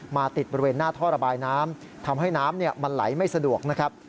ติดบริเวณหน้าท่อระบายน้ำทำให้น้ำมันไหลไม่สะดวกนะครับ